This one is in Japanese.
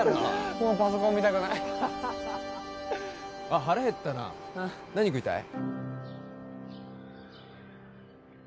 もうパソコン見たくないハハハハあっ腹減ったな何食いたい？